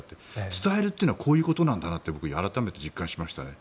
伝えるというのはこういうことなんだなと改めて実感しましたね。